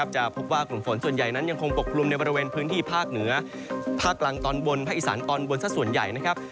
จะพบว่ากลุ่มฝนส่วนใหญ่นั้นยังคงปกลุ่มในบริเวณพื้นที่ภาคเหนือภาคกลางตอนบนภาคอีสานตอนบนสักส่วนใหญ่นะครับ